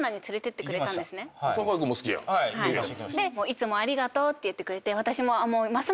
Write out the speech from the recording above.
いつもありがとうって言ってくれて私も。